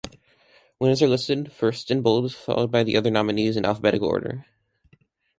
Winners are listed first in bold, followed by the other nominees in alphabetic order.